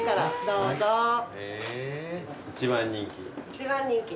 一番人気。